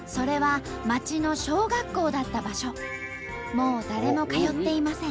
もう誰も通っていません。